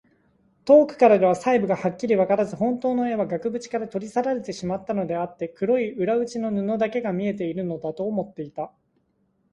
遠くからでは細部がはっきりわからず、ほんとうの絵は額ぶちから取り去られてしまったのであって、黒い裏打ちの布だけが見えているのだ、と思っていた。